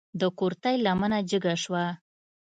د کورتۍ لمنه جګه شوه.